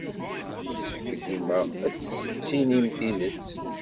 Yessefk dima ad d-tettinim tidet.